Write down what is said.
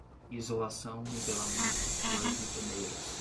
isolação, nivelamento, plug, peneiras